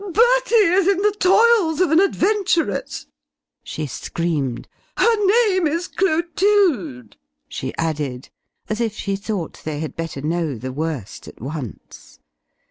"Bertie is in the toils of an adventuress," she screamed; "her name is Clotilde," she added, as if she thought they had better know the worst at once.